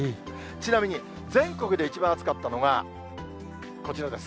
ちなみに全国で一番暑かったのが、こちらです。